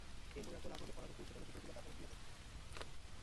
এই বৈরাগ্য-লাভ হইলে পরাভক্তির উচ্চতম শিখরে উঠিবার দ্বার যেন খুলিয়া যায়।